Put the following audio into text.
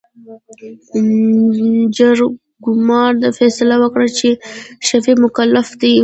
جرګمارو فيصله وکړه چې، شفيق مکلف دى.